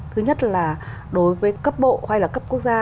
thứ nhất là đối với cấp bộ hay là cấp quốc gia